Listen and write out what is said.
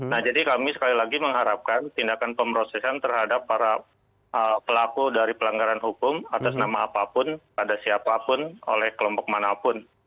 nah jadi kami sekali lagi mengharapkan tindakan pemrosesan terhadap para pelaku dari pelanggaran hukum atas nama apapun pada siapapun oleh kelompok manapun